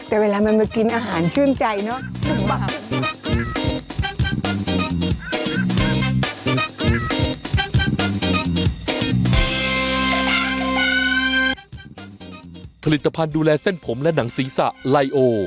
แต่เวลามันมากินอาหารชื่นใจเนอะ